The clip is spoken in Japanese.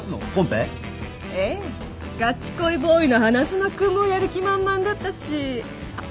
がち恋ボーイの花妻君もやる気満々だったしあっ